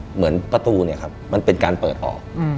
เหมือนประตูเนี่ยครับมันเป็นการเปิดออก